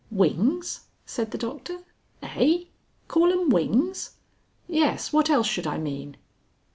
"Wings!" said the Doctor. "Eigh? Call 'em wings! Yes what else should I mean?"